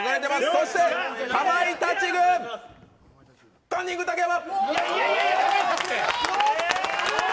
そして、かまいたち軍カンニング竹山。